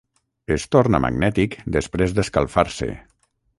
Es torna magnètic després d'escalfar-se.